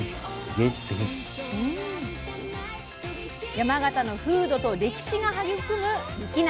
山形の風土と歴史が育む雪菜。